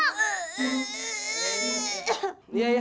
mama elu keselak